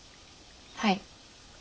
はい。